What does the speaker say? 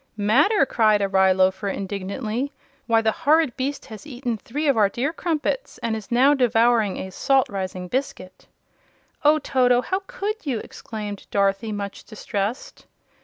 "Matter!" cried a rye loafer, indignantly, "why the horrid beast has eaten three of our dear Crumpets, and is now devouring a Salt rising Biscuit!" "Oh, Toto! How could you?" exclaimed Dorothy, much distressed.